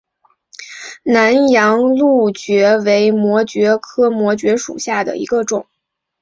南洋蕗蕨为膜蕨科膜蕨属下的一个种。